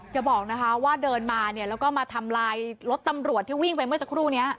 จะบอกนะคะว่าเดินมาเนี่ยแล้วก็มาทำลายรถตำรวจที่วิ่งไปเมื่อสักครู่นี้